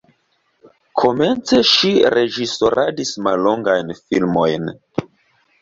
Komence ŝi reĝisoradis mallongajn filmojn.